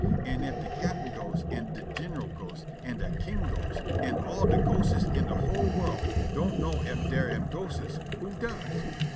An' if de cap'n ghost an' de gin'ral ghost an' de king ghost an' all de ghostes in de whole worl' don't know ef dar am ghostes, who does?"